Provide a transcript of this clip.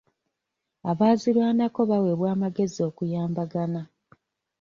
Abaazirwanako baweebwa amagezi okuyambagana.